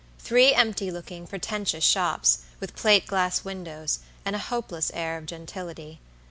Three empty looking, pretentious shops, with plate glass windows, and a hopeless air of gentility.